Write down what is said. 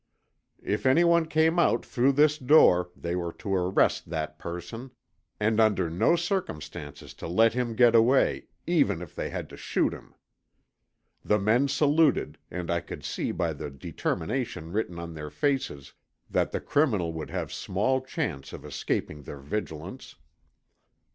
If anyone came out through this door they were to arrest that person, and under no circumstances to let him get away, even if they had to shoot him. The men saluted and I could see by the determination written on their faces that the criminal would have small chance of escaping their vigilance.